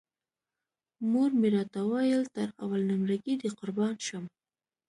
مور مې راته ویل تر اول نمره ګۍ دې قربان شم.